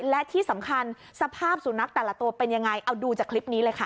และที่สำคัญสภาพสุนัขแต่ละตัวเป็นยังไงเอาดูจากคลิปนี้เลยค่ะ